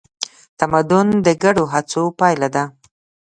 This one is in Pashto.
تمدن د ګډو هڅو پایله ده.